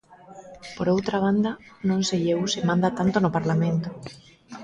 Por outra banda, non sei eu se manda tanto no Parlamento.